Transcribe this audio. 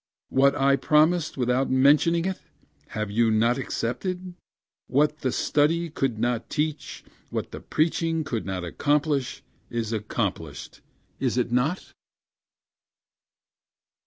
What I promised without mentioning it have you not accepted? What the study could not teach what the preaching could not accomplish, is accomplished, is it not?